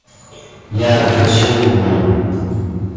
Я огорчил ее.